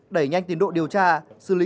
đẩy nhanh tiến độ điều tra xử lý